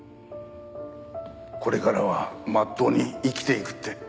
これからは真っ当に生きていくって。